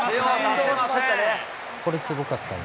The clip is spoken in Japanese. これ、すごかったです。